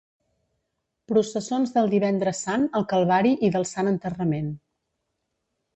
Processons del Divendres Sant al Calvari i del Sant Enterrament.